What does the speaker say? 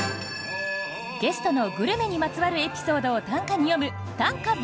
ゲストのグルメにまつわるエピソードを短歌に詠む「短歌ボナペティ」。